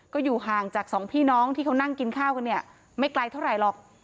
ก็อยู่ห่างจากสองพี่น้องที่เขานั่งกินข้าวกันเนี่ยไม่ไกลเท่าไหร่หรอก